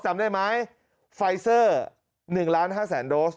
จำได้ไหมไฟเซอร์๑๕๐๐๐โดส